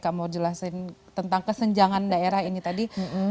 kamu jelasin tentang kesenjangan daerah ini tadi